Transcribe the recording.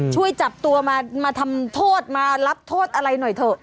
ช่วยจับตัวมาทำโทษมารับโทษอะไรหน่อยเถอะ